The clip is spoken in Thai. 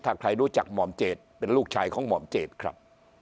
ถ้าใครรู้จักหม่อมเจดเป็นลูกชายของหม่อมเจดครับ